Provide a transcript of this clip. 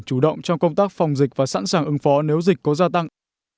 chủ động trong công tác phòng dịch và sẵn sàng ứng phó nếu dịch có gia tăng